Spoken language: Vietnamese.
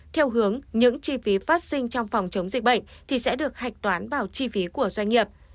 theo hướng những chi phí phát sinh trong phòng chống dịch bệnh thì sẽ được hạch toán vào chi phí của doanh nghiệp